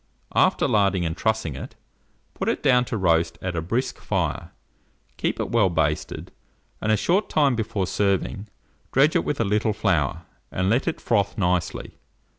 After larding and trussing it, put it down to roast at a brisk fire; keep it well basted, and a short time before serving, dredge it with a little flour, and let it froth nicely.